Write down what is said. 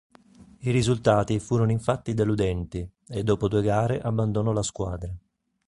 I risultati furono infatti deludenti e dopo due gare abbandonò la squadra.